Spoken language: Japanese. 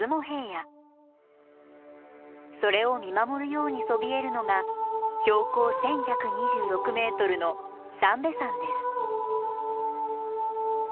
それを見守るようにそびえるのが標高１，１２６ｍの三瓶山です